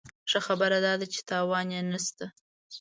ښه خبره داده چې تاوان یې نه شته.